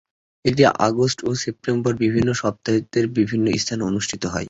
এটি আগস্ট ও সেপ্টেম্বরের বিভিন্ন সপ্তাহান্তে বিভিন্ন স্থানে অনুষ্ঠিত হয়।